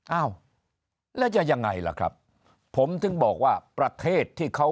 อ้าวแล้วจะยังไงล่ะครับผมถึงบอกว่าประเทศที่เขา